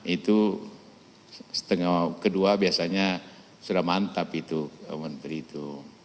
itu setengah kedua biasanya sudah mantap itu menteri itu